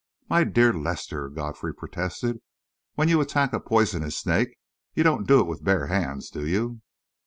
"My dear Lester," Godfrey protested, "when you attack a poisonous snake, you don't do it with bare hands, do you?"